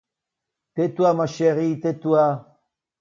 Tais-toi, ma chérie, tais-toi.